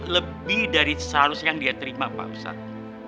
lebih dari seharusnya yang dia terima pak ustadz